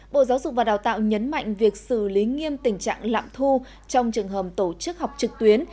bộ giáo dục và đào tạo nhấn mạnh việc xử lý nghiêm tình trạng lạm thu trong trường hợp tổ chức học trực tuyến